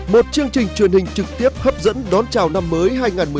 một chương trình truyền hình trực tiếp hấp dẫn đón chào năm mới hai nghìn một mươi chín